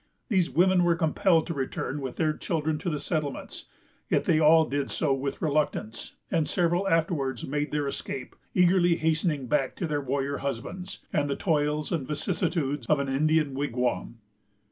These women were compelled to return with their children to the settlements; yet they all did so with reluctance, and several afterwards made their escape, eagerly hastening back to their warrior husbands, and the toils and vicissitudes of an Indian wigwam.